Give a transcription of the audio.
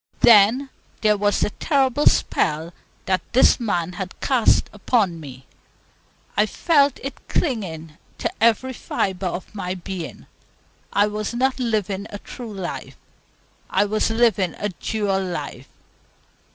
Then there was the terrible spell that this man had cast upon me. I felt it clinging to every fibre of my being. I was not living a true life; I was living a dual life.